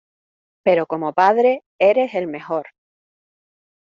pero como padre eres el mejor.